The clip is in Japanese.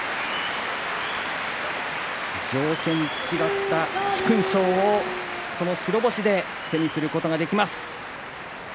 条件付きだった殊勲賞をこの白星で手にすることができます。